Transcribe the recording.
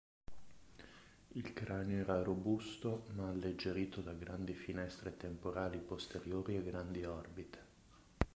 Il cranio era robusto ma alleggerito da grandi finestre temporali posteriori e grandi orbite.